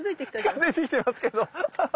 近づいてきてますけどアハハ。